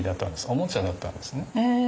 おもちゃだったんですね。